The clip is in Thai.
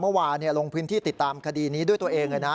เมื่อวานลงพื้นที่ติดตามคดีนี้ด้วยตัวเองเลยนะ